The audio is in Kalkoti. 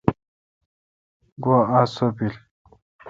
گوا آس سو بیل۔